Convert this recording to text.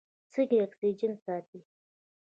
سږي اکسیجن ساتي.